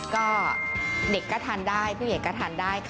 ก็เด็กก็ทานได้ผู้ใหญ่ก็ทานได้ค่ะ